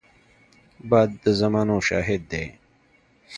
باد د زمانو شاهد دی